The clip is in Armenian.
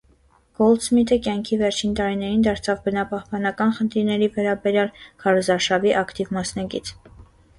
Գոլդսմիթը կյանքի վերջին տարիներին դարձավ բնապահպանական խնդիրների վերաբերյալ քարոզարշավի ակտիվ մասնակից։